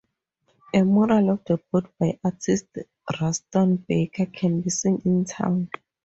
A mural of the boat by artist Ruston Baker can be seen in town.